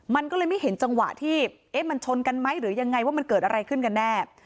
มันก็เลยไม่เห็นจังหวะที่เอ๊ะมันชนกันไหมหรือยังไงว่ามันเกิดอะไรขึ้นกันแน่